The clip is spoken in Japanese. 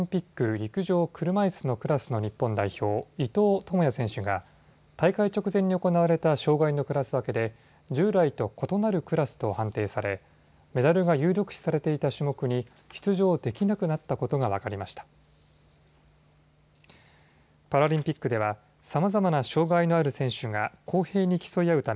陸上車いすのクラスの日本代表、伊藤智也選手が大会直前に行われた障害のクラス分けで従来と異なるクラスと判定されメダルが有力視されていた種目に出場できなくなったことが分かりました。